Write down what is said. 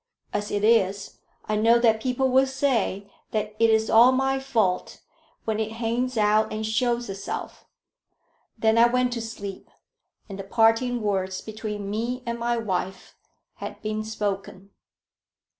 As it is, I know that people will say that it is all my fault when it hangs out and shows itself." Then I went to sleep, and the parting words between me and my wife had been spoken.